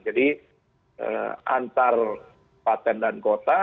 jadi antar paten dan kota